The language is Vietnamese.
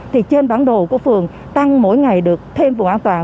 thì trên bản đồ của phường tăng mỗi ngày được thêm phường an toàn